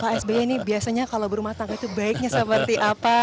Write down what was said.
pak sby ini biasanya kalau berumah tangga itu baiknya seperti apa